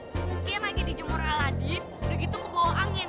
mungkin lagi dijemur aladik udah gitu ke bawah angin